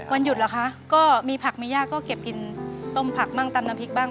วันหยุดเหรอคะก็มีผักมีย่าก็เก็บกินต้มผักบ้างตำน้ำพริกบ้าง